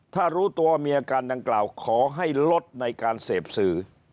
ถ้ารู้ตัวมีอาการดังกล่าวขอให้ลดในการเสพสื่อ